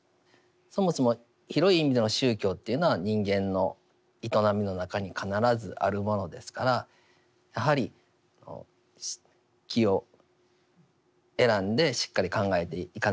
そもそも広い意味での宗教というのは人間の営みの中に必ずあるものですからやはり機を選んでしっかり考えていかなければならない。